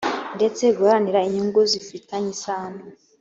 ndetse guharanira inyungu zifitanye isano